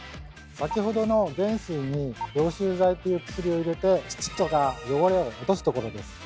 先ほどの原水に「凝集剤」という薬を入れて土とか汚れを落とす所です。